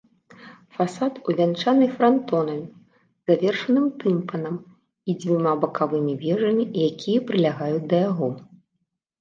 Фасад увянчаны франтонам, завершаным тымпанам і дзвюма бакавымі вежамі, якія прылягаюць да яго.